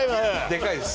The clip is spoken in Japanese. でかいです。